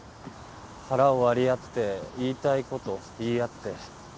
腹を割り合って言いたいこと言い合って。